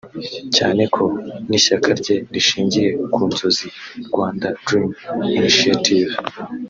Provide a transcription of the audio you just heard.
cyane ko n’Ishyaka rye rishingiye ku nzozi [Rwanda ’Dream’ Initiative]